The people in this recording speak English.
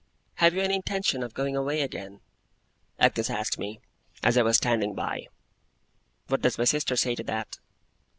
'Have you any intention of going away again?' Agnes asked me, as I was standing by. 'What does my sister say to that?